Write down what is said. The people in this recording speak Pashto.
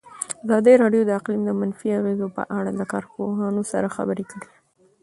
ازادي راډیو د اقلیم د منفي اغېزو په اړه له کارپوهانو سره خبرې کړي.